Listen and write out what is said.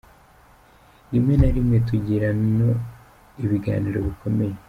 Rimwe na rinmwe tugirano ibiganiro bikomeye.